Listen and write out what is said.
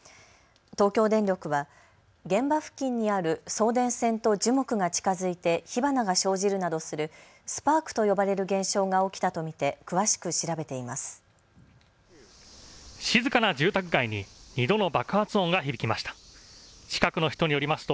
東京電力は現場付近にある送電線と樹木が近づいて火花が生じるなどするスパークと呼ばれる現象が起きたと見て詳しく調べています。